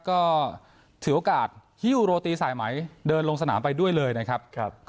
ก็ถือโอกาสฮิ้วโรตีสายไหมเดินลงสนามไปด้วยเลยนะครับ